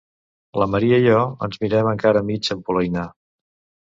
La Maria i jo ens mirem, encara a mig empolainar.